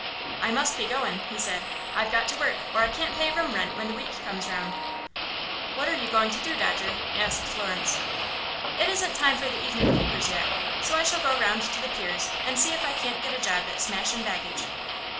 "I must be goin'," he said. "I've got to work, or I can't pay room rent when the week comes round." "What are you going to do, Dodger?" asked Florence. "It isn't time for the evenin' papers yet, so I shall go 'round to the piers and see if I can't get a job at smashin' baggage."